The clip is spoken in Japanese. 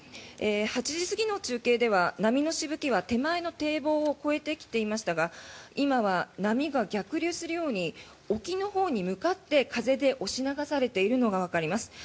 ８時過ぎの中継では波のしぶきは手前の堤防を越えてきていましたが今は波が逆流するように沖のほうに向かって風で押し流されているのがわかります。